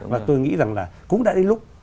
và tôi nghĩ rằng là cũng đã đến lúc